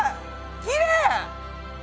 きれい！